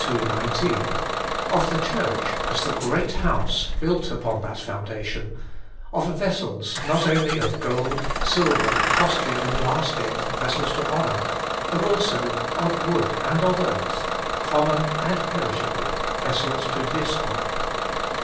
19), of the Church as the great house built upon that foundation, of vessels, not only of gold, silver, costly and lasting, vessels to honour, but also of wood and of earth, common and perishable, vessels to dishonour.